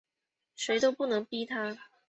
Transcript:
谁都不能逼他